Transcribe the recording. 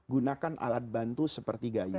gunakan alat bantu seperti gayung